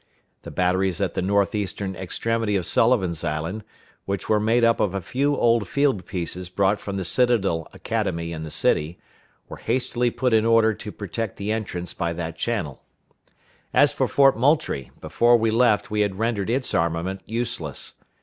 The batteries at the north eastern extremity of Sullivan's Island, which were made up of a few old field pieces brought from the Citadel Academy in the city, were hastily put in order to protect the entrance by that channel. As for Fort Moultrie, before we left we had rendered its armament useless.